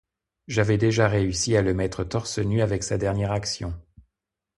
J’avais déjà réussi à le mettre torse nu avec sa dernière action.